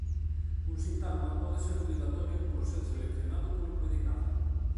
Un sintagma pode ser obrigatorio por ser seleccionado polo predicado.